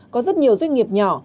có rất nhiều doanh nghiệp nhỏ